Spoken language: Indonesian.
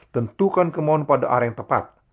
tentukan kemohon pada arah yang tepat